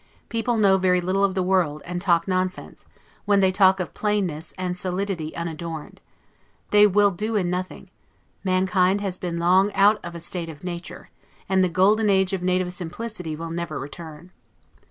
People know very little of the world, and talk nonsense, when they talk of plainness and solidity unadorned: they will do in nothing; mankind has been long out of a state of nature, and the golden age of native simplicity will never return.